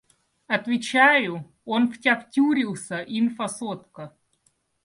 Отвечаю, он в тя втюрился, инфа сотка.